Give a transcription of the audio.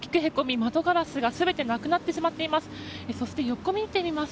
窓ガラスが全てなくなってしまっています。